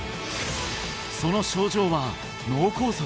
その症状は脳梗塞？